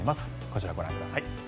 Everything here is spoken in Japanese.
こちら、ご覧ください。